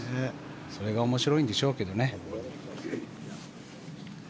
それが面白いんでしょうけどね。